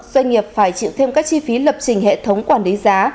doanh nghiệp phải chịu thêm các chi phí lập trình hệ thống quản lý giá